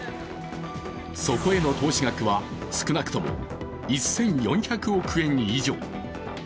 そこへの投資額は少なくとも１４００億円以上。